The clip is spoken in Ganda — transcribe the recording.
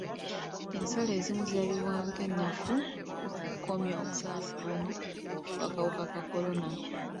Ensalo ezimu zirabibwa ng'ennafu mu kukomya okusaasaana kw'akawuka ka kolona.